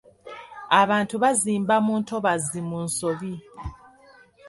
Abantu bazimba mu ntobazi mu nsobi.